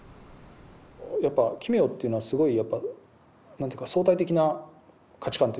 やっぱ奇妙っていうのはすごいやっぱ何ていうか相対的な価値観というか。